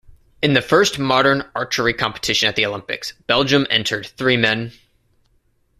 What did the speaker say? In the first modern archery competition at the Olympics, Belgium entered three men.